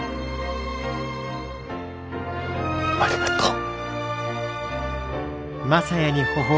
ありがとう。